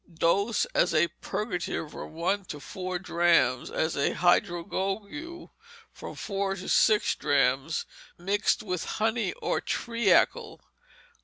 Dose, as a purgative, from two to four drachms, as a hydrogogue, from four to six drachms, mixed with honey or treacle.